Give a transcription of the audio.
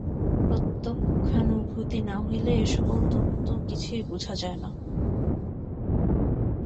প্রত্যক্ষানুভূতি না হইলে এ-সকল তত্ত্ব কিছুই বুঝা যায় না।